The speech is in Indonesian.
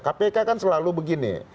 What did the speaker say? kpk kan selalu begini